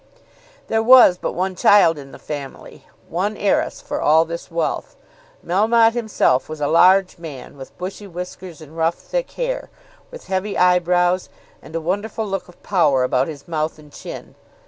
There was but one child in the family, one heiress for all this wealth. Melmotte himself was a large man, with bushy whiskers and rough thick hair, with heavy eyebrows, and a wonderful look of power about his mouth and chin.